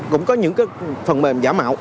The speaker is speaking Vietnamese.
cũng có những phần mềm giả mạo